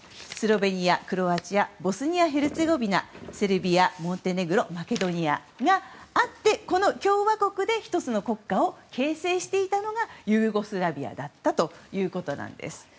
スロバキア、クロアチアボスニア・ヘルツェゴビナセルビア、モンテネグロマケドニアがあってこの共和国で１つの国家を形成していたのがユーゴスラビアだったということなんです。